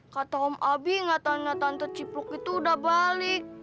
kata om abi nggak tanya tante cipluk itu udah balik